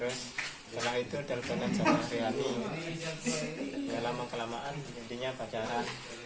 teleponnya haryani terus karena itu telponnya sama haryani ya lama kelamaan jadinya pacaran